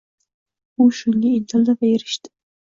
U shunga intildi va erishdi.